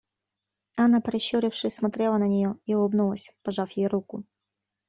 Анна прищурившись смотрела на нее и улыбнулась, пожав ей руку.